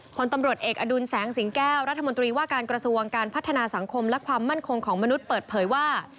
ผลตำรวจเอกอดุลแสงสิงแก้วรัฐมนตรีว่าการกระทรวงการพัฒนาสังคมและความมั่นคงของมนุษย์เปิดเผยว่า